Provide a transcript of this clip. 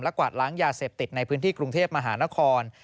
กวาดล้างยาเสพติดในพื้นที่กรุงเทพมหานคร